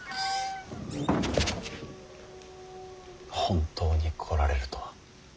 本当に来られるとは。